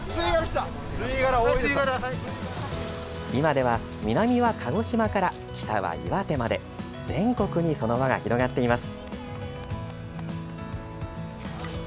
今では、南は鹿児島から北は岩手まで全国に、その輪が広がっています。